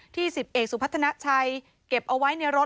๑๐เอกสุพัฒนาชัยเก็บเอาไว้ในรถ